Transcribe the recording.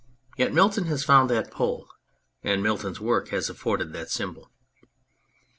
Yet Milton has found that pole, and Milton's work has afforded that symbol.